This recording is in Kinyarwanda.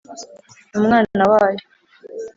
Mu mwana wayo